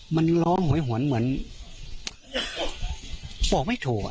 มันร้องโหยหวนเหมือนบอกไม่ถูก